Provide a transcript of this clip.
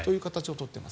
取っています。